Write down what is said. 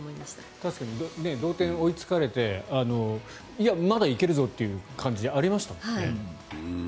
確かに同点に追いつかれていや、まだいけるぞという感じありましたよね。